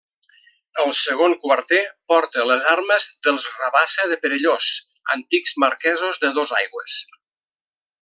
El segon quarter, porta les armes dels Rabassa de Perellós, antics marquesos de Dosaigües.